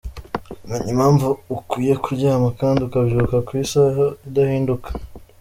Menya impamvu ukwiye kuryama kandi ukabyuka ku isaha idahinduka.